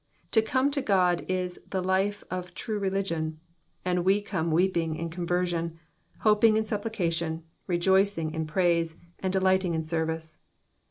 To come to God is the life of true religion: we come weeping in conversion, hoping in supplication, rejoicing in praise, andt delighting in service.